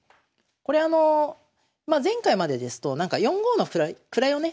これあのまあ前回までですと４五の位をね